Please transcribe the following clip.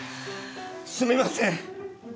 すみません！